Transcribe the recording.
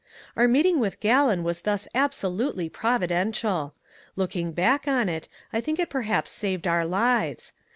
"Our meeting with Gallon was thus absolutely providential. Looking back on it, I think it perhaps saved our lives.